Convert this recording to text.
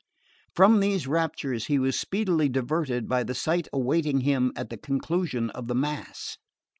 From these raptures he was speedily diverted by the sight awaiting him at the conclusion of the mass.